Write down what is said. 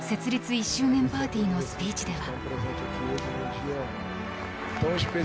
１周年パーティーのスピーチでは。